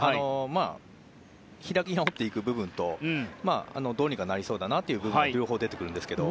開き直っていく部分とどうにかなりそうだなという部分両方出てくるんですけど。